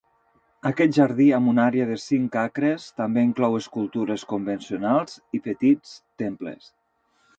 Aquest jardí, amb una àrea de cinc acres, també inclou escultures convencionals i petits temples.